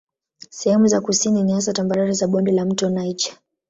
Sehemu za kusini ni hasa tambarare za bonde la mto Niger.